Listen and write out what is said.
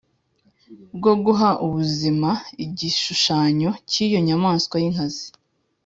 Bwo guha ubuzima igishushanyo cy iyo nyamaswa y inkazi